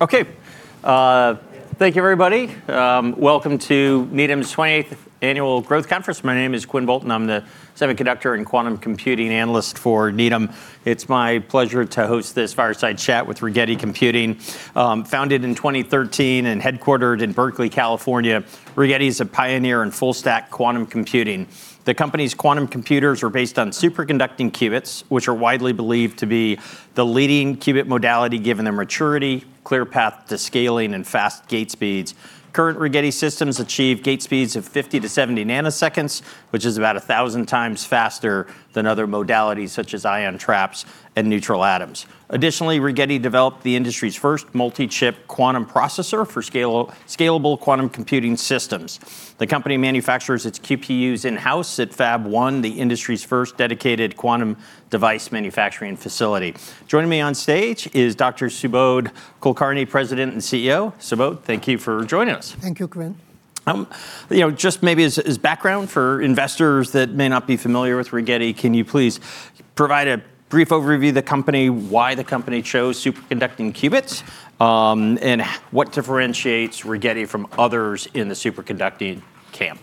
Okay. Thank you, everybody. Welcome to Needham's 20th Annual Growth Conference. My name is Quinn Bolton. I'm the semiconductor and quantum computing analyst for Needham. It's my pleasure to host this fireside chat with Rigetti Computing. Founded in 2013 and headquartered in Berkeley, California, Rigetti is a pioneer in full-stack quantum computing. The company's quantum computers are based on superconducting qubits, which are widely believed to be the leading qubit modality, given their maturity, clear path to scaling, and fast gate speeds. Current Rigetti systems achieve gate speeds of 50-70 nanoseconds, which is about 1,000 times faster than other modalities such as ion traps and neutral atoms. Additionally, Rigetti developed the industry's first multi-chip quantum processor for scalable quantum computing systems. The company manufactures its QPUs in-house at Fab 1, the industry's first dedicated quantum device manufacturing facility. Joining me on stage is Dr. Subodh Kulkarni, President and CEO. Subodh, thank you for joining us. Thank you, Quinn. Just maybe as background for investors that may not be familiar with Rigetti, can you please provide a brief overview of the company, why the company chose superconducting qubits, and what differentiates Rigetti from others in the superconducting camp?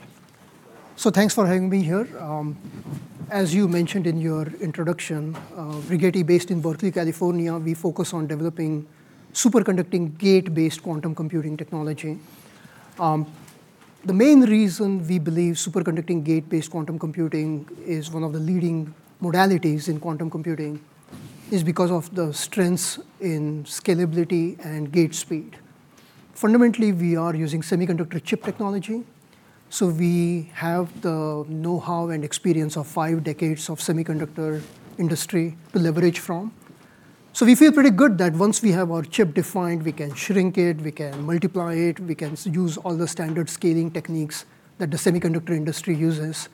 So thanks for having me here. As you mentioned in your introduction, Rigetti is based in Berkeley, California. We focus on developing superconducting gate-based quantum computing technology. The main reason we believe superconducting gate-based quantum computing is one of the leading modalities in quantum computing is because of the strengths in scalability and gate speed. Fundamentally, we are using semiconductor chip technology. So we have the know-how and experience of five decades of semiconductor industry to leverage from. So we feel pretty good that once we have our chip defined, we can shrink it, we can multiply it, we can use all the standard scaling techniques that the semiconductor industry uses.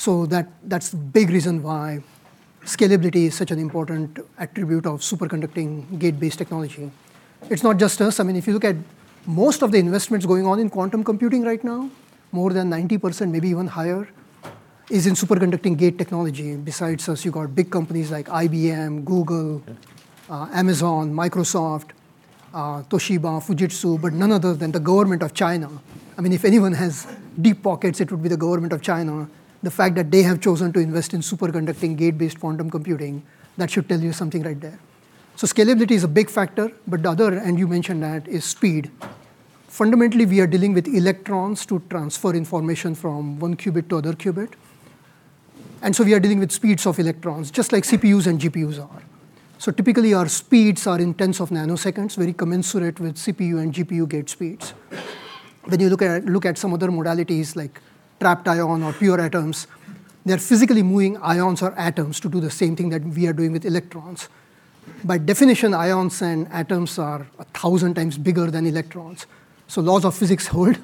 So that's the big reason why scalability is such an important attribute of superconducting gate-based technology. It's not just us. I mean, if you look at most of the investments going on in quantum computing right now, more than 90%, maybe even higher, is in superconducting gate technology. Besides us, you've got big companies like IBM, Google, Amazon, Microsoft, Toshiba, Fujitsu, but none other than the government of China. I mean, if anyone has deep pockets, it would be the government of China. The fact that they have chosen to invest in superconducting gate-based quantum computing, that should tell you something right there. So scalability is a big factor, but the other, and you mentioned that, is speed. Fundamentally, we are dealing with electrons to transfer information from one qubit to another qubit. And so we are dealing with speeds of electrons, just like CPUs and GPUs are. So typically, our speeds are in tens of nanoseconds, very commensurate with CPU and GPU gate speeds. When you look at some other modalities like trapped ions or pure atoms, they're physically moving ions or atoms to do the same thing that we are doing with electrons. By definition, ions and atoms are 1,000 times bigger than electrons. So laws of physics hold.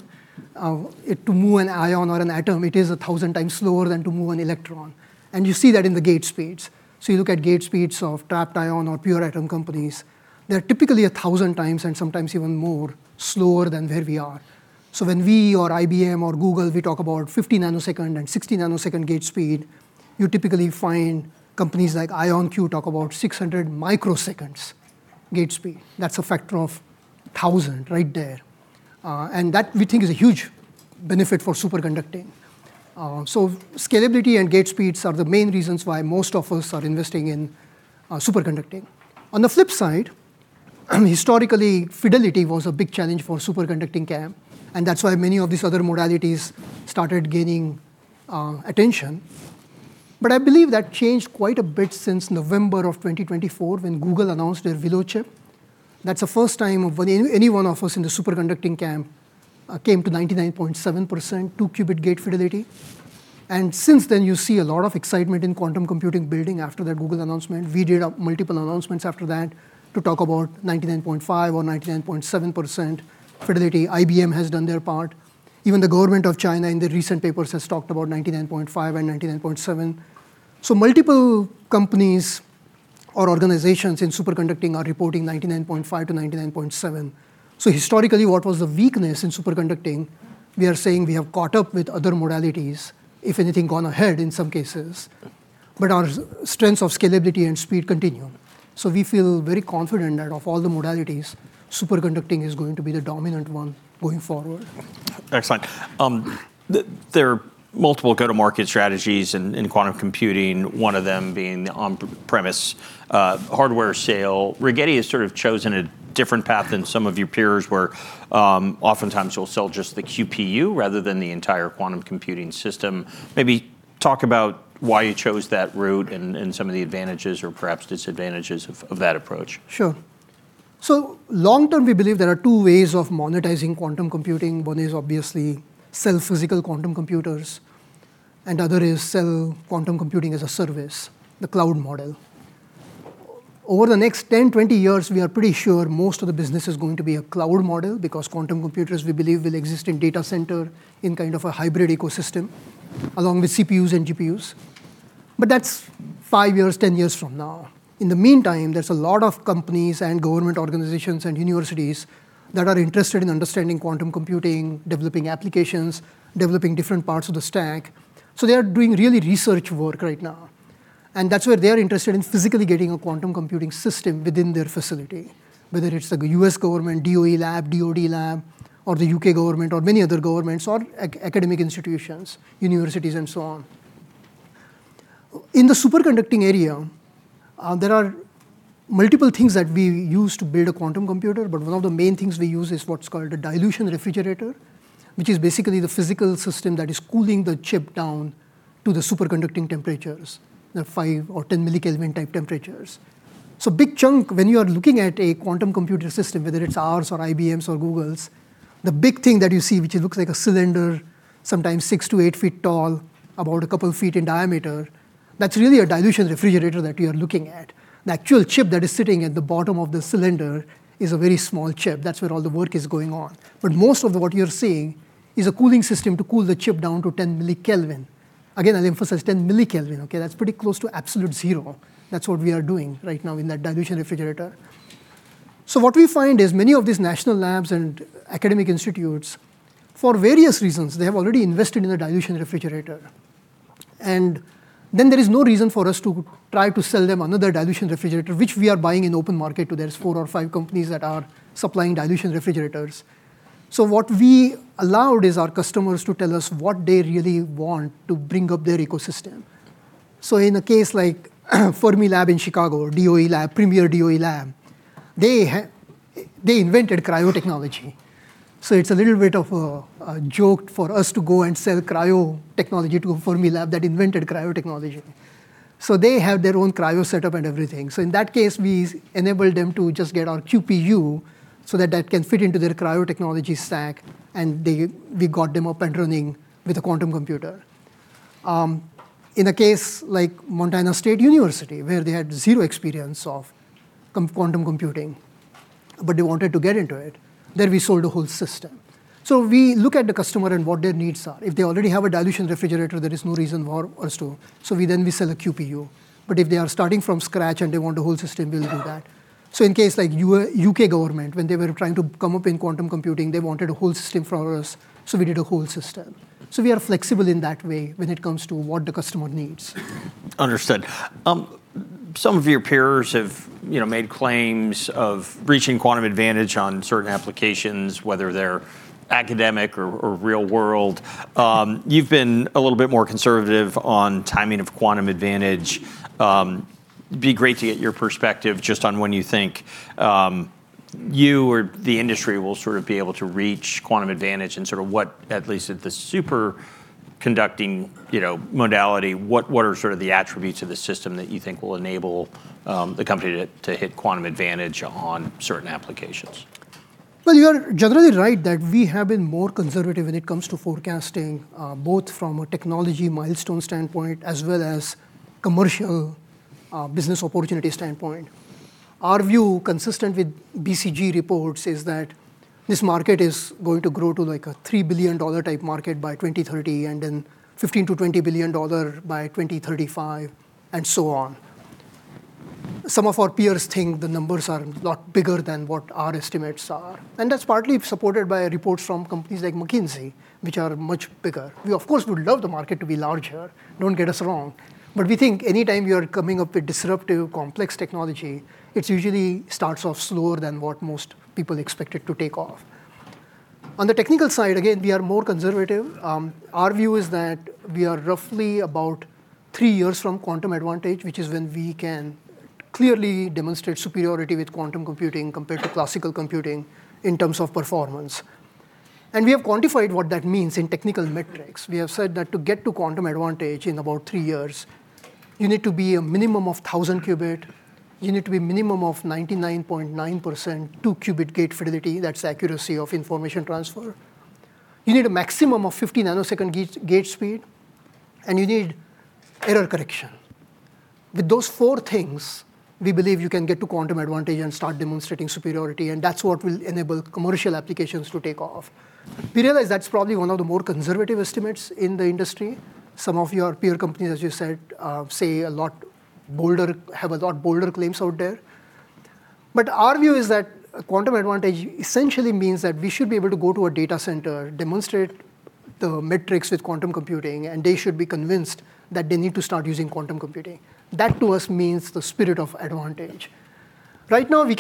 To move an ion or an atom, it is 1,000 times slower than to move an electron. And you see that in the gate speeds. So you look at gate speeds of trapped ions or pure atom companies, they're typically 1,000 times and sometimes even more slower than where we are. So when we or IBM or Google talk about 50 nanoseconds and 60 nanoseconds gate speed, you typically find companies like IonQ talk about 600 microseconds gate speed. That's a factor of 1,000 right there. And that, we think, is a huge benefit for superconducting. So scalability and gate speeds are the main reasons why most of us are investing in superconducting. On the flip side, historically, fidelity was a big challenge for superconducting camp. And that's why many of these other modalities started gaining attention. But I believe that changed quite a bit since November of 2024 when Google announced their Willow chip. That's the first time any one of us in the superconducting camp came to 99.7% two-qubit gate fidelity. And since then, you see a lot of excitement in quantum computing building after that Google announcement. We did multiple announcements after that to talk about 99.5% or 99.7% fidelity. IBM has done their part. Even the government of China in the recent papers has talked about 99.5% and 99.7%. So multiple companies or organizations in superconducting are reporting 99.5%-99.7%. So historically, what was the weakness in superconducting? We are saying we have caught up with other modalities, if anything, gone ahead in some cases. But our strengths of scalability and speed continue. So we feel very confident that of all the modalities, superconducting is going to be the dominant one going forward. Excellent. There are multiple go-to-market strategies in quantum computing, one of them being the on-premise hardware sale. Rigetti has sort of chosen a different path than some of your peers, where oftentimes you'll sell just the QPU rather than the entire quantum computing system. Maybe talk about why you chose that route and some of the advantages or perhaps disadvantages of that approach. Sure. So long term, we believe there are two ways of monetizing quantum computing. One is obviously sell physical quantum computers, and the other is sell quantum computing as a service, the cloud model. Over the next 10, 20 years, we are pretty sure most of the business is going to be a cloud model because quantum computers, we believe, will exist in data center in kind of a hybrid ecosystem along with CPUs and GPUs. But that's five years, 10 years from now. In the meantime, there's a lot of companies and government organizations and universities that are interested in understanding quantum computing, developing applications, developing different parts of the stack. So they are doing really research work right now. And that's where they are interested in physically getting a quantum computing system within their facility, whether it's the U.S. government, DOE lab, DOD lab, or the U.K. government, or many other governments, or academic institutions, universities, and so on. In the superconducting area, there are multiple things that we use to build a quantum computer. But one of the main things we use is what's called a dilution refrigerator, which is basically the physical system that is cooling the chip down to the superconducting temperatures, the five or 10 mK type temperatures. So a big chunk, when you are looking at a quantum computer system, whether it's ours or IBM's or Google's, the big thing that you see, which looks like a cylinder, sometimes six to eight feet tall, about a couple of feet in diameter, that's really a dilution refrigerator that you are looking at. The actual chip that is sitting at the bottom of the cylinder is a very small chip. That's where all the work is going on. But most of what you're seeing is a cooling system to cool the chip down to 10 mK. Again, I'll emphasize 10 mK, OK? That's pretty close to absolute zero. That's what we are doing right now in that dilution refrigerator. So what we find is many of these national labs and academic institutes, for various reasons, they have already invested in a dilution refrigerator. And then there is no reason for us to try to sell them another dilution refrigerator, which we are buying in open market. There are four or five companies that are supplying dilution refrigerators. So what we allowed is our customers to tell us what they really want to bring up their ecosystem. So in a case like Fermilab in Chicago, DOE lab, premier DOE lab, they invented cryo technology. So it's a little bit of a joke for us to go and sell cryo technology to a Fermilab that invented cryo technology. So they have their own cryo setup and everything. So in that case, we enabled them to just get our QPU so that that can fit into their cryo technology stack. And we got them up and running with a quantum computer. In a case like Montana State University, where they had zero experience of quantum computing, but they wanted to get into it, then we sold the whole system. So we look at the customer and what their needs are. If they already have a dilution refrigerator, there is no reason for us to. So then we sell a QPU. But if they are starting from scratch and they want a whole system, we'll do that. So in a case like U.K. government, when they were trying to come up in quantum computing, they wanted a whole system for us. So we did a whole system. So we are flexible in that way when it comes to what the customer needs. Understood. Some of your peers have made claims of reaching quantum advantage on certain applications, whether they're academic or real world. You've been a little bit more conservative on timing of quantum advantage. It'd be great to get your perspective just on when you think you or the industry will sort of be able to reach quantum advantage and sort of what, at least at the superconducting modality, what are sort of the attributes of the system that you think will enable the company to hit quantum advantage on certain applications? You are generally right that we have been more conservative when it comes to forecasting, both from a technology milestone standpoint as well as commercial business opportunity standpoint. Our view, consistent with BCG reports, is that this market is going to grow to like a $3 billion type market by 2030 and then $15-$20 billion by 2035, and so on. Some of our peers think the numbers are a lot bigger than what our estimates are, and that's partly supported by reports from companies like McKinsey, which are much bigger. We, of course, would love the market to be larger, don't get us wrong, but we think any time you are coming up with disruptive, complex technology, it usually starts off slower than what most people expect it to take off. On the technical side, again, we are more conservative. Our view is that we are roughly about three years from quantum advantage, which is when we can clearly demonstrate superiority with quantum computing compared to classical computing in terms of performance. And we have quantified what that means in technical metrics. We have said that to get to quantum advantage in about three years, you need to be a minimum of 1,000 qubit. You need to be a minimum of 99.9% two-qubit gate fidelity. That's the accuracy of information transfer. You need a maximum of 50 nanosecond gate speed. And you need error correction. With those four things, we believe you can get to quantum advantage and start demonstrating superiority. And that's what will enable commercial applications to take off. We realize that's probably one of the more conservative estimates in the industry. Some of your peer companies, as you said, say a lot bolder, have a lot bolder claims out there. But our view is that quantum advantage essentially means that we should be able to go to a data center, demonstrate the metrics with quantum computing, and they should be convinced that they need to start using quantum computing. That, to us, means the spirit of advantage. Right now, we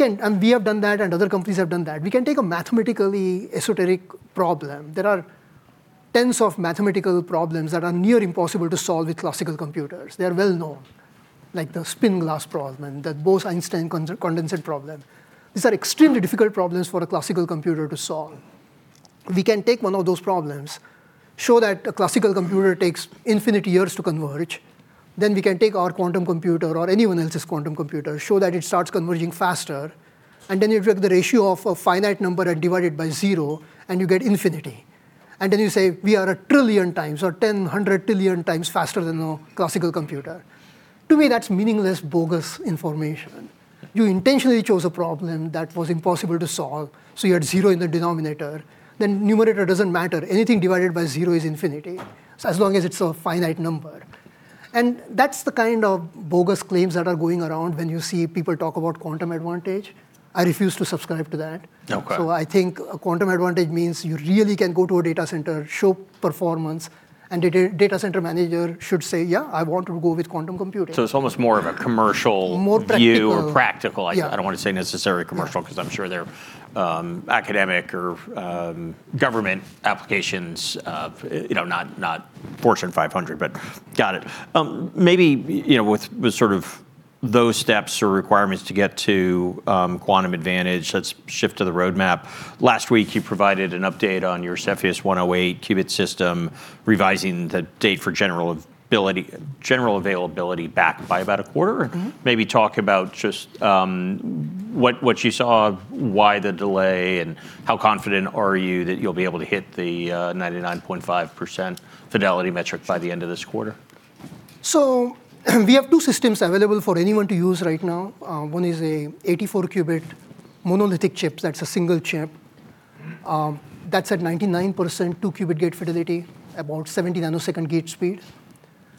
have done that, and other companies have done that. We can take a mathematically esoteric problem. There are tens of mathematical problems that are near impossible to solve with classical computers. They are well known, like the spin glass problem, the Bose-Einstein condensate problem. These are extremely difficult problems for a classical computer to solve. We can take one of those problems, show that a classical computer takes infinite years to converge. Then we can take our quantum computer or anyone else's quantum computer, show that it starts converging faster. And then you take the ratio of a finite number and divide it by 0, and you get infinity. And then you say we are a trillion times or 10 hundred trillion times faster than a classical computer. To me, that's meaningless bogus information. You intentionally chose a problem that was impossible to solve. So you had 0 in the denominator. Then numerator doesn't matter. Anything divided by 0 is infinity, as long as it's a finite number. And that's the kind of bogus claims that are going around when you see people talk about quantum advantage. I refuse to subscribe to that. I think quantum advantage means you really can go to a data center, show performance, and the data center manager should say, yeah, I want to go with quantum computing. So, it's almost more of a commercial view or practical. I don't want to say necessarily commercial because I'm sure there are academic or government applications, not Fortune 500, but got it. Maybe with sort of those steps or requirements to get to quantum advantage, let's shift to the roadmap. Last week, you provided an update on your Cepheus 108 qubit system, revising the date for general availability back by about a quarter. Maybe talk about just what you saw, why the delay, and how confident are you that you'll be able to hit the 99.5% fidelity metric by the end of this quarter? We have two systems available for anyone to use right now. One is an 84-qubit monolithic chip. That's a single chip. That's at 99% two-qubit gate fidelity, about 70-nanosecond gate speed.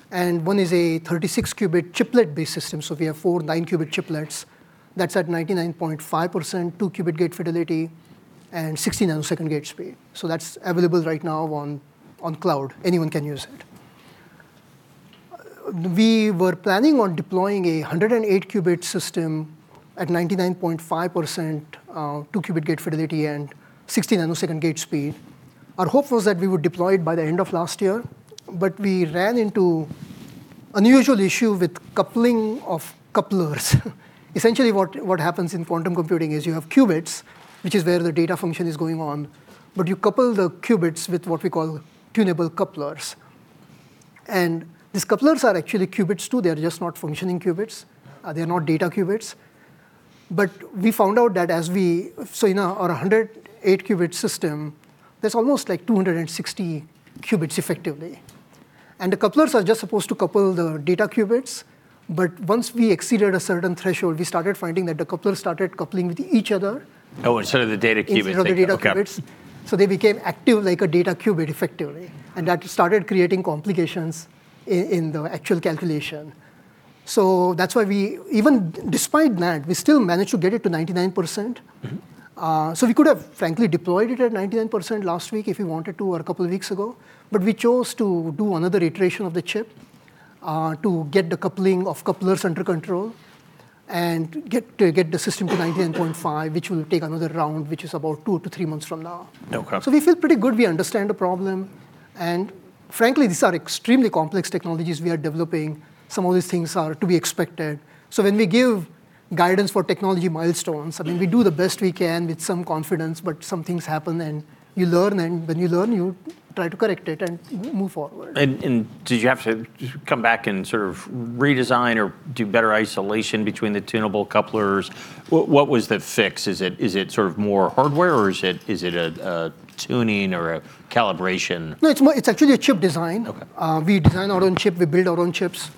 One is a 36-qubit chiplet-based system. We have four 9-qubit chiplets. That's at 99.5% two-qubit gate fidelity and 60-nanosecond gate speed. That's available right now on cloud. Anyone can use it. We were planning on deploying a 108-qubit system at 99.5% two-qubit gate fidelity and 60-nanosecond gate speed. Our hope was that we would deploy it by the end of last year. We ran into an unusual issue with coupling of couplers. Essentially, what happens in quantum computing is you have qubits, which is where the data function is going on. You couple the qubits with what we call tunable couplers. These couplers are actually qubits too. They are just not functioning qubits. They are not data qubits. But we found out that as we saw in our 108-qubit system, there's almost like 260 qubits effectively. And the couplers are just supposed to couple the data qubits. But once we exceeded a certain threshold, we started finding that the couplers started coupling with each other. Oh, instead of the data qubits. Instead of the data qubits, so they became active like a data qubit effectively, and that started creating complications in the actual calculation, so that's why we, even despite that, we still managed to get it to 99%, so we could have, frankly, deployed it at 99% last week if we wanted to or a couple of weeks ago, but we chose to do another iteration of the chip to get the coupling of couplers under control and get the system to 99.5%, which will take another round, which is about two to three months from now. No problem. So we feel pretty good. We understand the problem. And frankly, these are extremely complex technologies we are developing. Some of these things are to be expected. So when we give guidance for technology milestones, I mean, we do the best we can with some confidence. But some things happen, and you learn. And when you learn, you try to correct it and move forward. Did you have to come back and sort of redesign or do better isolation between the tunable couplers? What was the fix? Is it sort of more hardware, or is it a tuning or a calibration? No, it's actually a chip design. We design our own chip. We build our own chips,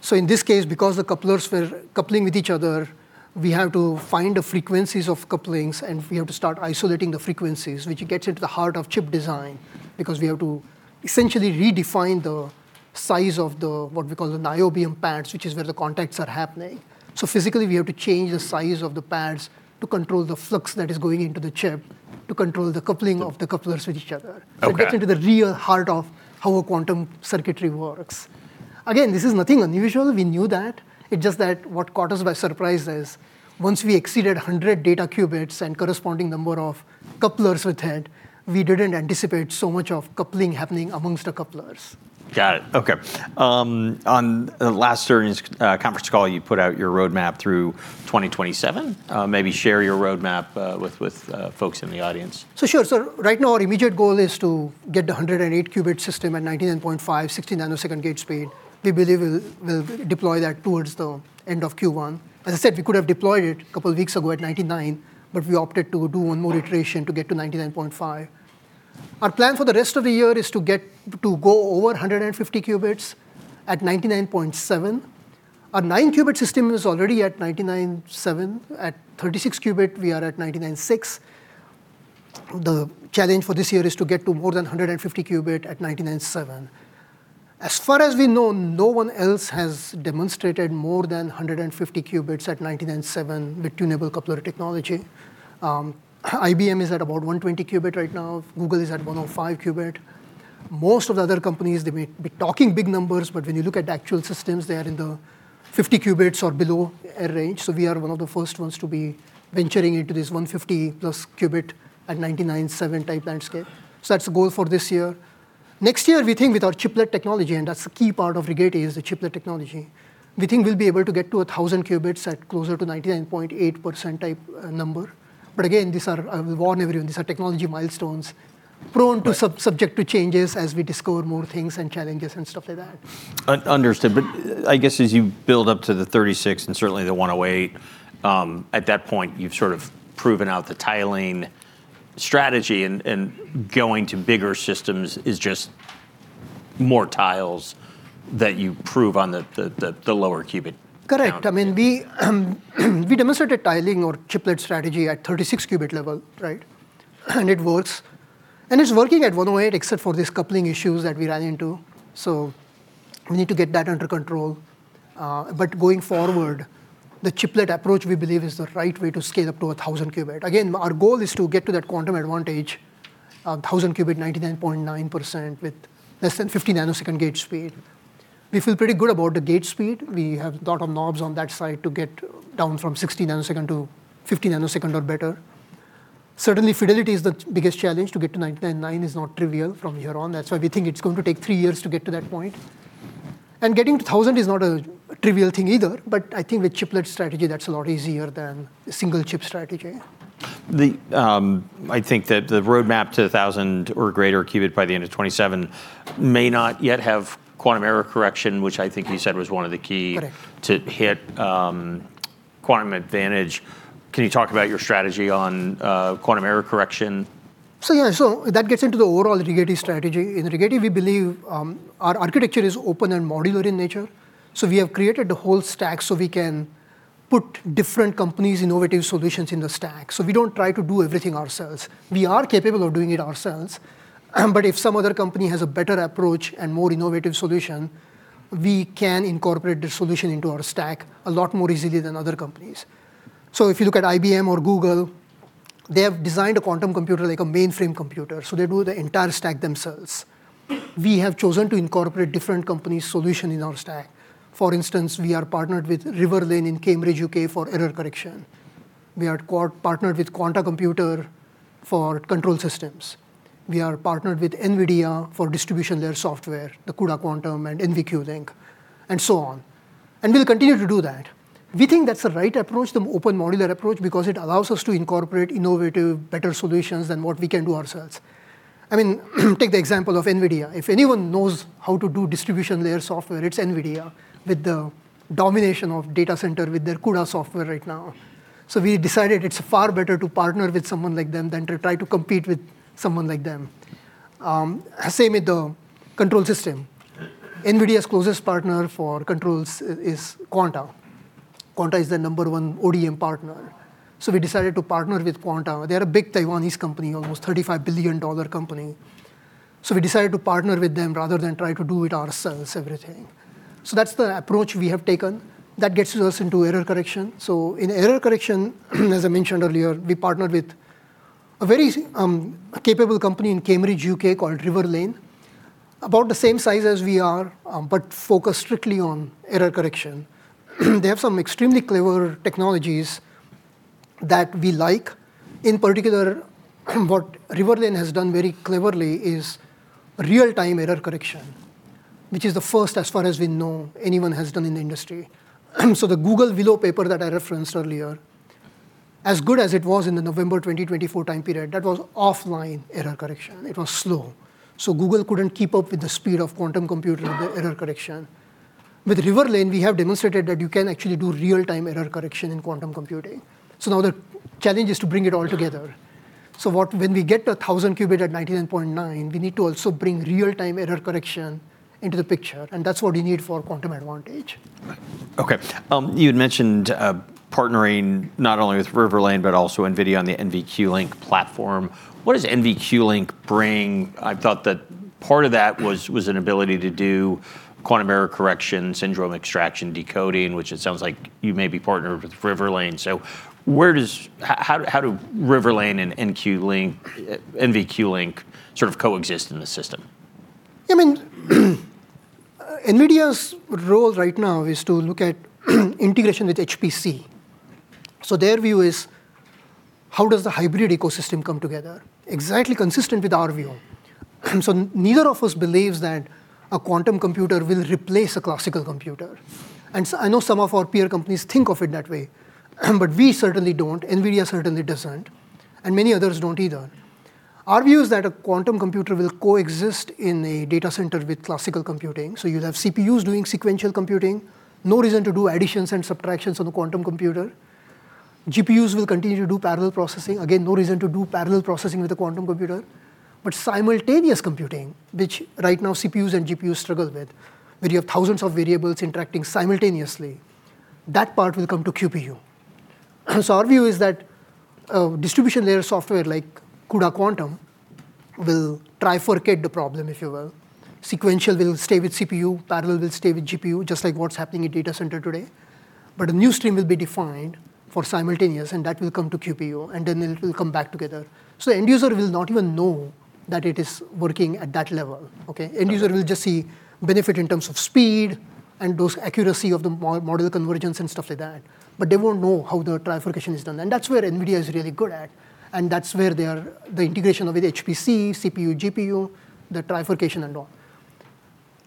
so in this case, because the couplers were coupling with each other, we have to find the frequencies of couplings, and we have to start isolating the frequencies, which gets into the heart of chip design because we have to essentially redefine the size of what we call the niobium pads, which is where the contacts are happening, so physically, we have to change the size of the pads to control the flux that is going into the chip, to control the coupling of the couplers with each other, so it gets into the real heart of how a quantum circuitry works. Again, this is nothing unusual. We knew that. It's just that what caught us by surprise is once we exceeded 100 data qubits and corresponding number of couplers with it, we didn't anticipate so much of coupling happening amongst the couplers. Got it. OK. On the last Needham's conference call, you put out your roadmap through 2027. Maybe share your roadmap with folks in the audience. So, sure. Right now, our immediate goal is to get the 108-qubit system at 99.5%, 60 nanosecond gate speed. We believe we'll deploy that towards the end of Q1. As I said, we could have deployed it a couple of weeks ago at 99%. But we opted to do one more iteration to get to 99.5%. Our plan for the rest of the year is to go over 150 qubits at 99.7%. Our 9-qubit system is already at 99.7%. At 36-qubit, we are at 99.6%. The challenge for this year is to get to more than 150 qubits at 99.7%. As far as we know, no one else has demonstrated more than 150 qubits at 99.7% with tunable coupler technology. IBM is at about 120 qubits right now. Google is at 105 qubits. Most of the other companies, they may be talking big numbers. But when you look at actual systems, they are in the 50 qubits or below range. So we are one of the first ones to be venturing into this 150-plus qubit at 99.7% type landscape. So that's the goal for this year. Next year, we think with our chiplet technology, and that's a key part of Rigetti, is the chiplet technology. We think we'll be able to get to 1,000 qubits at closer to 99.8% type number. But again, I will warn everyone. These are technology milestones prone to subject to changes as we discover more things and challenges and stuff like that. Understood, but I guess as you build up to the 36 and certainly the 108, at that point, you've sort of proven out the tiling strategy, and going to bigger systems is just more tiles that you prove on the lower qubit. Correct. I mean, we demonstrated tiling or chiplet strategy at 36 qubit level, right? And it works. And it's working at 108, except for these coupling issues that we ran into. So we need to get that under control. But going forward, the chiplet approach we believe is the right way to scale up to 1,000 qubit. Again, our goal is to get to that quantum advantage, 1,000 qubit, 99.9% with less than 50 nanosecond gate speed. We feel pretty good about the gate speed. We have a lot of knobs on that side to get down from 60 nanosecond to 50 nanosecond or better. Certainly, fidelity is the biggest challenge. To get to 99.9% is not trivial from here on. That's why we think it's going to take three years to get to that point. And getting to 1,000 is not a trivial thing either. But I think with chiplet strategy, that's a lot easier than a single chip strategy. I think that the roadmap to 1,000 or greater qubit by the end of 2027 may not yet have quantum error correction, which I think you said was one of the keys to hit quantum advantage. Can you talk about your strategy on quantum error correction? So yeah, so that gets into the overall Rigetti strategy. In Rigetti, we believe our architecture is open and modular in nature. So we have created the whole stack so we can put different companies' innovative solutions in the stack. So we don't try to do everything ourselves. We are capable of doing it ourselves. But if some other company has a better approach and more innovative solution, we can incorporate the solution into our stack a lot more easily than other companies. So if you look at IBM or Google, they have designed a quantum computer like a mainframe computer. So they do the entire stack themselves. We have chosen to incorporate different companies' solutions in our stack. For instance, we are partnered with Riverlane in Cambridge, U.K., for error correction. We are partnered with Quanta Computer for control systems. We are partnered with NVIDIA for distribution layer software, the CUDA Quantum and NVLink, and so on, and we'll continue to do that. We think that's the right approach, the open modular approach, because it allows us to incorporate innovative, better solutions than what we can do ourselves. I mean, take the example of NVIDIA. If anyone knows how to do distribution layer software, it's NVIDIA with the domination of data center with their CUDA software right now. So we decided it's far better to partner with someone like them than to try to compete with someone like them. Same with the control system. NVIDIA's closest partner for controls is Quanta. Quanta is their number one ODM partner. So we decided to partner with Quanta. They are a big Taiwanese company, almost $35 billion company. So we decided to partner with them rather than try to do it ourselves, everything. So that's the approach we have taken. That gets us into error correction. So in error correction, as I mentioned earlier, we partnered with a very capable company in Cambridge, U.K., called Riverlane, about the same size as we are, but focused strictly on error correction. They have some extremely clever technologies that we like. In particular, what Riverlane has done very cleverly is real-time error correction, which is the first, as far as we know, anyone has done in the industry. So the Google Willow paper that I referenced earlier, as good as it was in the November 2024 time period, that was offline error correction. It was slow. So Google couldn't keep up with the speed of quantum computer error correction. With Riverlane, we have demonstrated that you can actually do real-time error correction in quantum computing. So now the challenge is to bring it all together. So when we get to 1,000-qubit at 99.9%, we need to also bring real-time error correction into the picture. And that's what we need for quantum advantage. OK. You had mentioned partnering not only with Riverlane, but also NVIDIA on the NVQLink platform. What does NVQLink bring? I thought that part of that was an ability to do quantum error correction, syndrome extraction, decoding, which it sounds like you may be partnered with Riverlane. So how do Riverlane and NVQLink sort of coexist in the system? I mean, NVIDIA's role right now is to look at integration with HPC. So their view is, how does the hybrid ecosystem come together? Exactly consistent with our view. So neither of us believes that a quantum computer will replace a classical computer. And I know some of our peer companies think of it that way. But we certainly don't. NVIDIA certainly doesn't. And many others don't either. Our view is that a quantum computer will coexist in a data center with classical computing. So you'll have CPUs doing sequential computing. No reason to do additions and subtractions on the quantum computer. GPUs will continue to do parallel processing. Again, no reason to do parallel processing with a quantum computer. But simultaneous computing, which right now CPUs and GPUs struggle with, where you have thousands of variables interacting simultaneously, that part will come to QPU. So our view is that distribution layer software like CUDA Quantum will trifurcate the problem, if you will. Sequential will stay with CPU. Parallel will stay with GPU, just like what's happening in data center today. But a new stream will be defined for simultaneous. And that will come to QPU. And then it will come back together. So the end user will not even know that it is working at that level. OK? End user will just see benefit in terms of speed and those accuracy of the model convergence and stuff like that. But they won't know how the trifurcation is done. And that's where NVIDIA is really good at. And that's where the integration of HPC, CPU, GPU, the trifurcation, and all.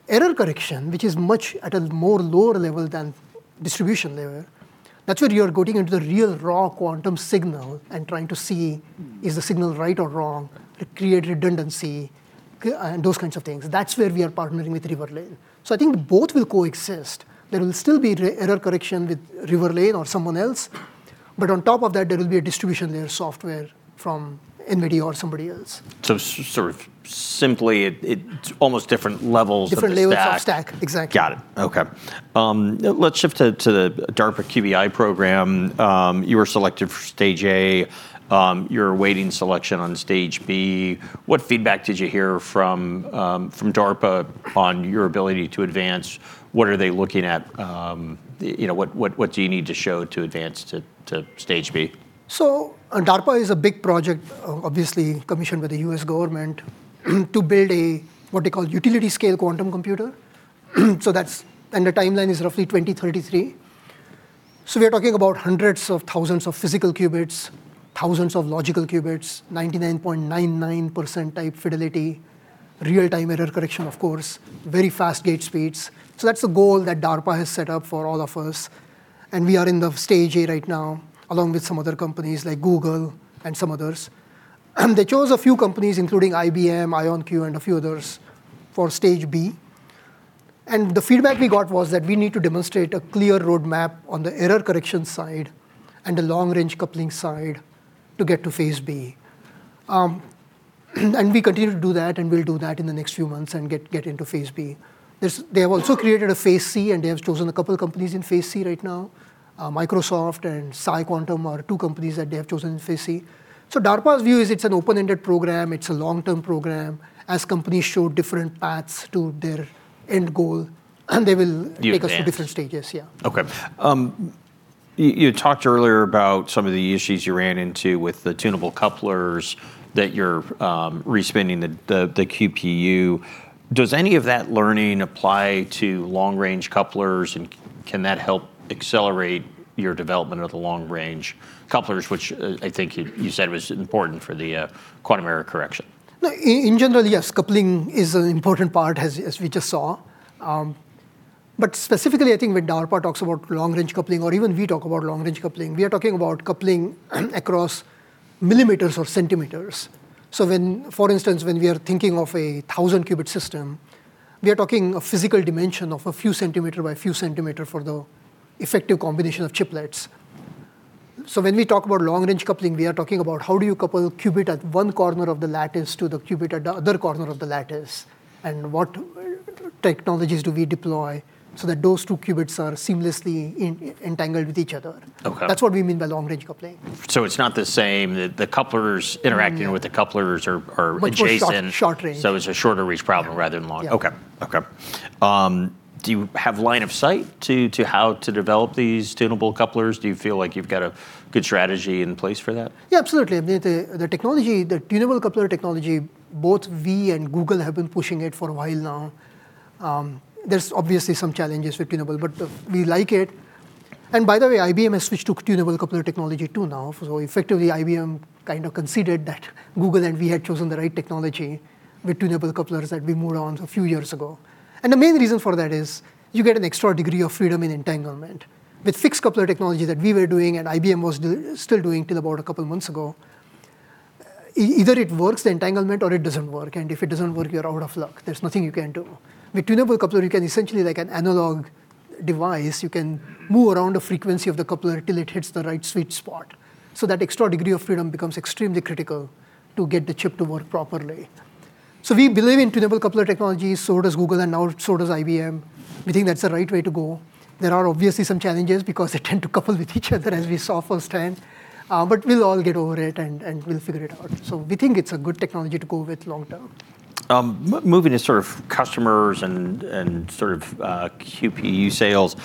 Error correction, which is much at a more lower level than distribution layer, that's where you are going into the real raw quantum signal and trying to see is the signal right or wrong, create redundancy, and those kinds of things. That's where we are partnering with Riverlane. So I think both will coexist. There will still be error correction with Riverlane or someone else. But on top of that, there will be a distribution layer software from NVIDIA or somebody else. So sort of simply, it's almost different levels of stack. Different layers of stack, exactly. Got it. OK. Let's shift to the DARPA QBI program. You were selected for stage A. You're awaiting selection on stage B. What feedback did you hear from DARPA on your ability to advance? What are they looking at? What do you need to show to advance to stage B? DARPA is a big project, obviously commissioned by the U.S. government, to build what they call a utility-scale quantum computer. The timeline is roughly 2033. We are talking about hundreds of thousands of physical qubits, thousands of logical qubits, 99.99% type fidelity, real-time error correction, of course, very fast gate speeds. That's the goal that DARPA has set up for all of us. We are in stage A right now, along with some other companies like Google and some others. They chose a few companies, including IBM, IonQ, and a few others, for stage B. The feedback we got was that we need to demonstrate a clear roadmap on the error correction side and the long-range coupling side to get to phase B. We continue to do that. We'll do that in the next few months and get into phase B. They have also created a phase C. And they have chosen a couple of companies in phase C right now. Microsoft and PsiQuantum are two companies that they have chosen in phase C. So DARPA's view is it's an open-ended program. It's a long-term program. As companies show different paths to their end goal, they will take us to different stages. Yeah. OK. You talked earlier about some of the issues you ran into with the tunable couplers that you're respinning the QPU. Does any of that learning apply to long-range couplers? And can that help accelerate your development of the long-range couplers, which I think you said was important for the quantum error correction? In general, yes. Coupling is an important part, as we just saw. But specifically, I think when DARPA talks about long-range coupling, or even we talk about long-range coupling, we are talking about coupling across millimeters or centimeters. So for instance, when we are thinking of a 1,000-qubit system, we are talking a physical dimension of a few centimeter by a few centimeter for the effective combination of chiplets. So when we talk about long-range coupling, we are talking about how do you couple a qubit at one corner of the lattice to the qubit at the other corner of the lattice? And what technologies do we deploy so that those two qubits are seamlessly entangled with each other? That's what we mean by long-range coupling. So it's not the same that the couplers interacting with the couplers are adjacent. But short range. So it's a shorter-reach problem rather than long. Yeah. OK. Do you have line of sight to how to develop these tunable couplers? Do you feel like you've got a good strategy in place for that? Yeah, absolutely. I mean, the technology, the tunable coupler technology, both we and Google have been pushing it for a while now. There's obviously some challenges with tunable, but we like it. And by the way, IBM has switched to tunable coupler technology too now. So effectively, IBM kind of conceded that Google and we had chosen the right technology with tunable couplers that we moved on a few years ago. And the main reason for that is you get an extra degree of freedom in entanglement. With fixed coupler technology that we were doing and IBM was still doing till about a couple of months ago, either it works, the entanglement, or it doesn't work. And if it doesn't work, you're out of luck. There's nothing you can do. With tunable coupler, you can essentially, like an analog device, you can move around the frequency of the coupler till it hits the right sweet spot. So that extra degree of freedom becomes extremely critical to get the chip to work properly. So we believe in tunable coupler technology, so does Google, and now so does IBM. We think that's the right way to go. There are obviously some challenges because they tend to couple with each other, as we saw firsthand. But we'll all get over it and we'll figure it out. So we think it's a good technology to go with long term. Moving to sort of customers and sort of QPU sales.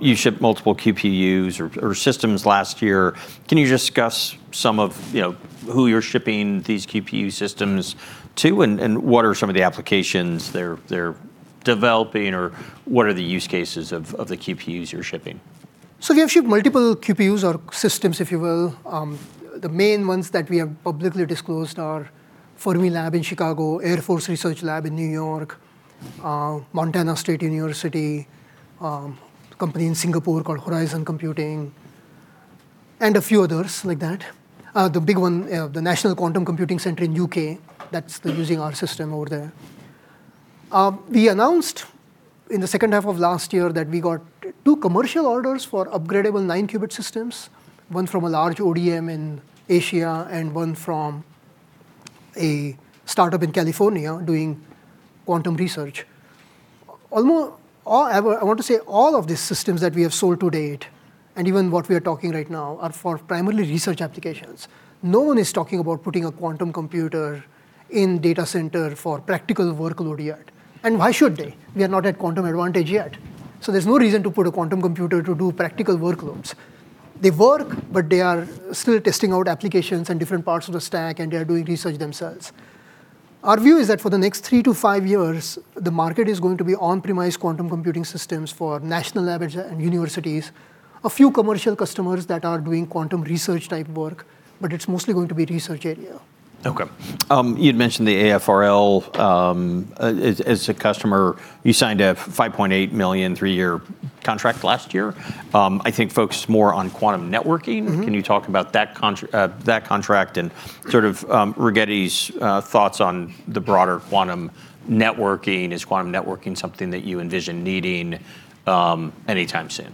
You shipped multiple QPUs or systems last year. Can you discuss some of who you're shipping these QPU systems to? And what are some of the applications they're developing? Or what are the use cases of the QPUs you're shipping? So we have shipped multiple QPUs or systems, if you will. The main ones that we have publicly disclosed are Fermilab in Chicago, Air Force Research Laboratory in New York, Montana State University, a company in Singapore called Horizon Quantum Computing, and a few others like that. The big one, the National Quantum Computing Center in the U.K., that's using our system over there. We announced in the second half of last year that we got two commercial orders for upgradable nine-qubit systems, one from a large ODM in Asia and one from a startup in California doing quantum research. I want to say all of these systems that we have sold to date, and even what we are talking right now, are for primarily research applications. No one is talking about putting a quantum computer in data center for practical workload yet. And why should they? We are not at quantum advantage yet. So there's no reason to put a quantum computer to do practical workloads. They work, but they are still testing out applications and different parts of the stack. And they are doing research themselves. Our view is that for the next three to five years, the market is going to be on-premise quantum computing systems for national labs and universities, a few commercial customers that are doing quantum research type work. But it's mostly going to be research area. OK. You had mentioned the AFRL. As a customer, you signed a $5.8 million three-year contract last year. I think focused more on quantum networking. Can you talk about that contract and sort of Rigetti's thoughts on the broader quantum networking? Is quantum networking something that you envision needing anytime soon?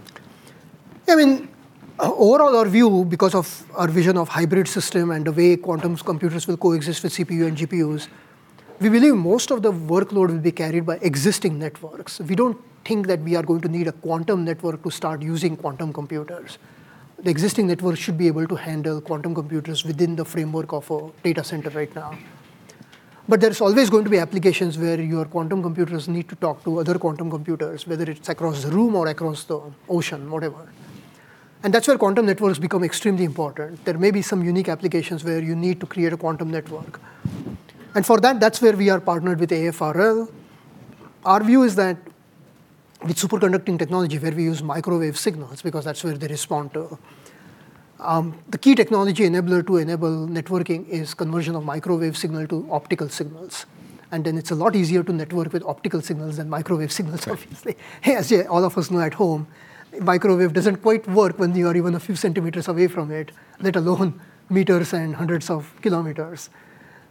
Yeah. I mean, overall, our view, because of our vision of hybrid system and the way quantum computers will coexist with CPU and GPUs, we believe most of the workload will be carried by existing networks. We don't think that we are going to need a quantum network to start using quantum computers. The existing network should be able to handle quantum computers within the framework of a data center right now. But there's always going to be applications where your quantum computers need to talk to other quantum computers, whether it's across the room or across the ocean, whatever. And that's where quantum networks become extremely important. There may be some unique applications where you need to create a quantum network. And for that, that's where we are partnered with AFRL. Our view is that with superconducting technology, where we use microwave signals, because that's where they respond to, the key technology enabler to enable networking is conversion of microwave signal to optical signals. And then it's a lot easier to network with optical signals than microwave signals, obviously. As all of us know at home, microwave doesn't quite work when you are even a few centimeters away from it, let alone meters and hundreds of kilometers.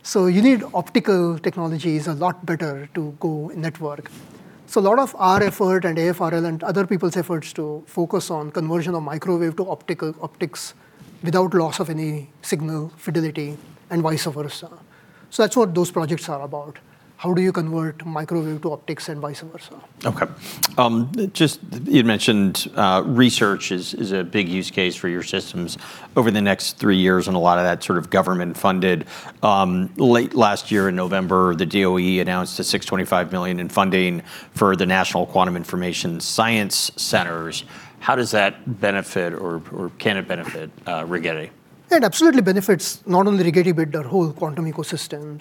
So you need optical technologies a lot better to network. So a lot of our effort and AFRL and other people's efforts to focus on conversion of microwave to optics without loss of any signal fidelity and vice versa. So that's what those projects are about. How do you convert microwave to optics and vice versa? OK. Just you had mentioned research is a big use case for your systems. Over the next three years, and a lot of that sort of government-funded, late last year in November, the DOE announced $625 million in funding for the National Quantum Information Science Centers. How does that benefit or can it benefit Rigetti? It absolutely benefits not only Rigetti, but our whole quantum ecosystem.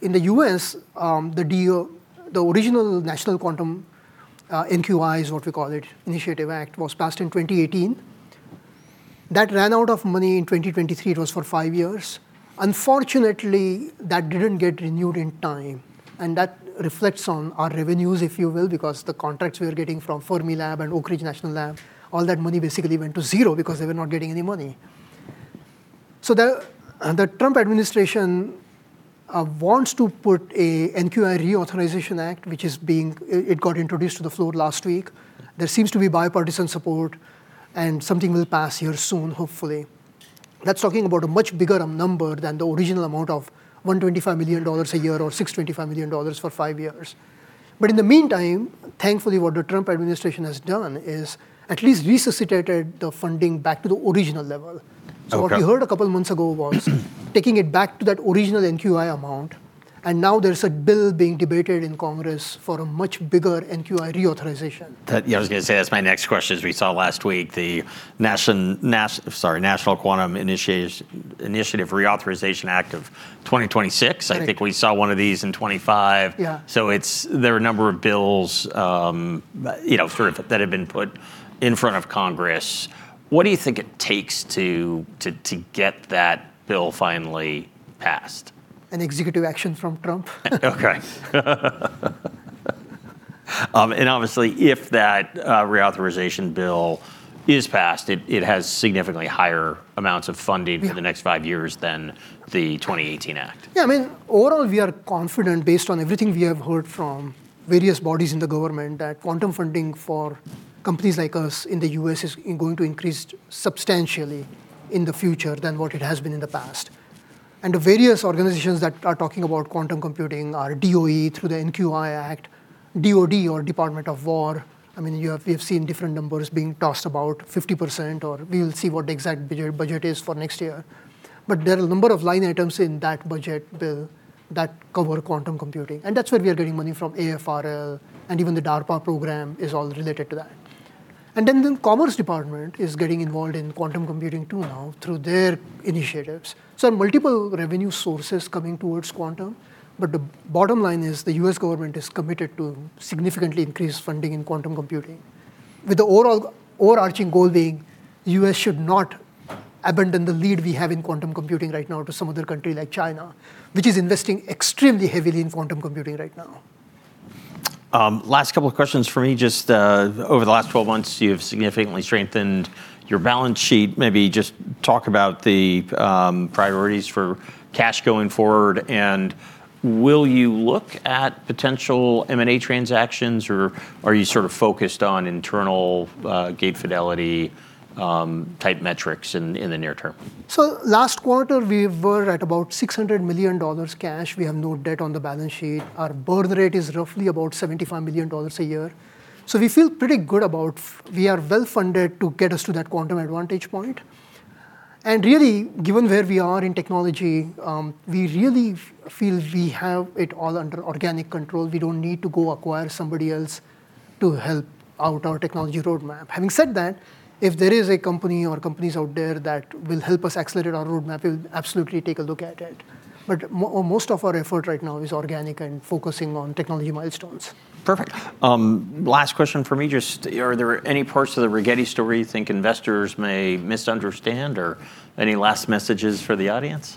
In the US, the original National Quantum Initiative Act, NQI is what we call it, was passed in 2018. That ran out of money in 2023. It was for five years. Unfortunately, that didn't get renewed in time. That reflects on our revenues, if you will, because the contracts we were getting from Fermilab and Oak Ridge National Laboratory, all that money basically went to zero because they were not getting any money. The Trump administration wants to put an NQI Reauthorization Act, which, it got introduced to the floor last week. There seems to be bipartisan support. Something will pass here soon, hopefully. That's talking about a much bigger number than the original amount of $125 million a year or $625 million for five years. But in the meantime, thankfully, what the Trump administration has done is at least resuscitated the funding back to the original level. So what we heard a couple of months ago was taking it back to that original NQI amount. And now there's a bill being debated in Congress for a much bigger NQI reauthorization. Yeah, I was going to say that's my next question. As we saw last week, the National Quantum Initiative Reauthorization Act of 2026. I think we saw one of these in 2025. So there are a number of bills sort of that have been put in front of Congress. What do you think it takes to get that bill finally passed? An executive action from Trump. OK. And obviously, if that reauthorization bill is passed, it has significantly higher amounts of funding for the next five years than the 2018 act. Yeah. I mean, overall, we are confident, based on everything we have heard from various bodies in the government, that quantum funding for companies like us in the U.S. is going to increase substantially in the future than what it has been in the past. And the various organizations that are talking about quantum computing are DOE through the NQI Act, DOD, or Department of War. I mean, we have seen different numbers being tossed about 50%, or we will see what the exact budget is for next year. But there are a number of line items in that budget bill that cover quantum computing. And that's where we are getting money from AFRL. And even the DARPA program is all related to that. And then the Commerce Department is getting involved in quantum computing too now through their initiatives. So there are multiple revenue sources coming towards quantum. But the bottom line is the U.S. government is committed to significantly increase funding in quantum computing, with the overarching goal being the U.S. should not abandon the lead we have in quantum computing right now to some other country like China, which is investing extremely heavily in quantum computing right now. Last couple of questions for me. Just over the last 12 months, you have significantly strengthened your balance sheet. Maybe just talk about the priorities for cash going forward. And will you look at potential M&A transactions? Or are you sort of focused on internal gate fidelity type metrics in the near term? So last quarter, we were at about $600 million cash. We have no debt on the balance sheet. Our burn rate is roughly about $75 million a year. So we feel pretty good about we are well funded to get us to that quantum advantage point. And really, given where we are in technology, we really feel we have it all under organic control. We don't need to go acquire somebody else to help out our technology roadmap. Having said that, if there is a company or companies out there that will help us accelerate our roadmap, we'll absolutely take a look at it. But most of our effort right now is organic and focusing on technology milestones. Perfect. Last question for me. Just are there any parts of the Rigetti story you think investors may misunderstand? Or any last messages for the audience?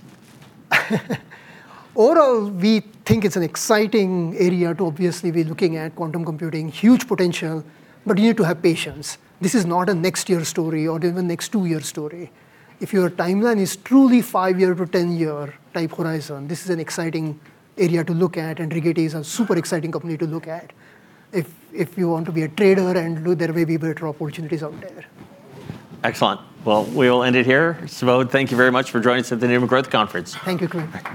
Overall, we think it's an exciting area to obviously be looking at quantum computing, huge potential. But you need to have patience. This is not a next year story or even next two years story. If your timeline is truly five-year to 10-year type horizon, this is an exciting area to look at. And Rigetti is a super exciting company to look at. If you want to be a trader and look there, maybe better opportunities out there. Excellent. Well, we will end it here. Subodh, thank you very much for joining us at the Needham Growth Conference. Thank you, Quinn.